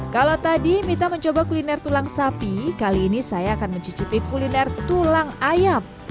kalau tadi mita mencoba kuliner tulang sapi kali ini saya akan mencicipi kuliner tulang ayam